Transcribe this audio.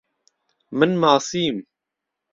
من ماسیم.